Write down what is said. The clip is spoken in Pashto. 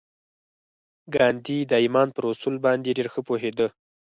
ګاندي د ایمان پر اصل باندې ډېر ښه پوهېده